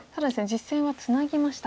実戦はツナぎました。